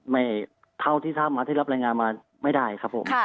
เท่าที่ทราบมาที่รับรายงานมาไม่ได้ครับผม